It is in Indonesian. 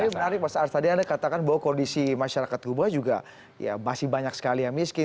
tapi menarik pak sarstadiana katakan bahwa kondisi masyarakat kuba juga masih banyak sekali yang miskin